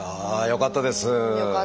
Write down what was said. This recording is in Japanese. よかったですね。